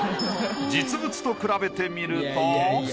実物と比べてみると。